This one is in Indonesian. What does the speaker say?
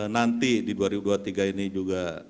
nanti di dua ribu dua puluh tiga ini juga